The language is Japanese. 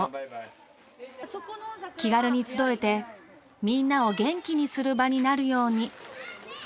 気軽に集えてみんなを元気にする場になるように。